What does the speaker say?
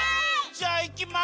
じゃあいきます。